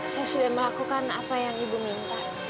saya sudah melakukan apa yang ibu minta